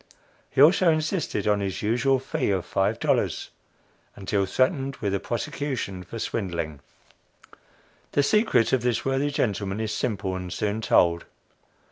He also insisted on his usual fee of five dollars, until threatened with a prosecution for swindling. The secret of this worthy gentleman is simple and soon told.